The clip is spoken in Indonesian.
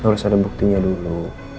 harus ada buktinya dulu